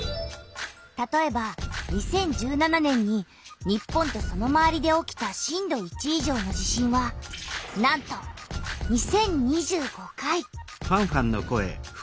たとえば２０１７年に日本とそのまわりで起きた震度１以上の地震はなんと２０２５回！